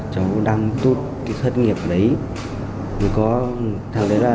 cháu đang tuốt cái thất nghiệp ở đấy